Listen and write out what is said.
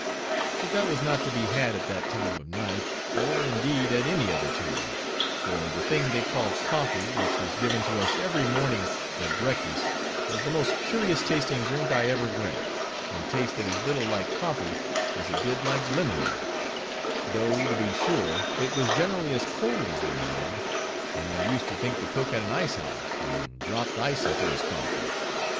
But that was not to be had at that time of night, or, indeed, at any other time; for the thing they called coffee, which was given to us every morning at breakfast, was the most curious tasting drink I ever drank, and tasted as little like coffee, as it did like lemonade; though, to be sure, it was generally as cold as lemonade, and I used to think the cook had an icehouse, and dropt ice into his coffee.